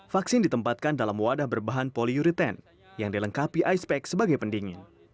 vaksin ditempatkan dalam wadah berbahan poliuriten yang dilengkapi ice pack sebagai pendingin